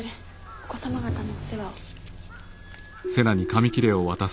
お子様方のお世話を。